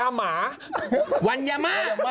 ครับผม